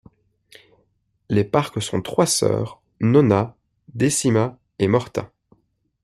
Les Parques sont trois sœurs, Nona, Decima et Morta.